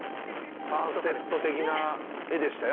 サンセット的な絵でしたよ